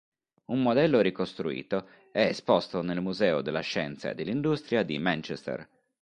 Un modello ricostruito è esposto nel Museo della Scienza e dell'Industria di Manchester.